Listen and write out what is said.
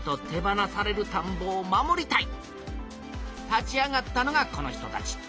立ち上がったのがこの人たち。